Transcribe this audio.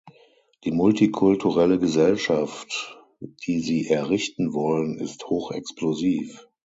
Die multikulturelle Gesellschaft, die Sie errichten wollen, ist hochexplosiv.